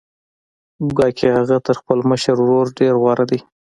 ګواکې هغه تر خپل مشر ورور ډېر غوره دی